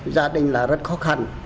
gia đình là rất khó khăn